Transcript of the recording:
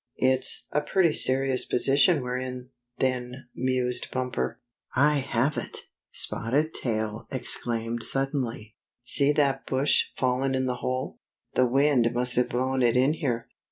" It's a pretty serious position we're in, then," mused Bumper. "I have it!" Spotted Tail exclaimed sud denly. " See that bush fallen in the hole. The wind must have blown it in here.